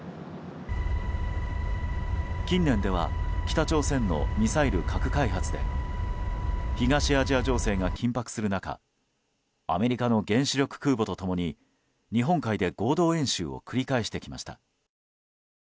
近年では北朝鮮のミサイル・核開発で東アジア情勢が緊迫する中アメリカの原子力空母と共に日本海で合同演習を繰り返してきました。